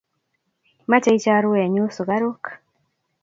Mache chorwenyu sugaruk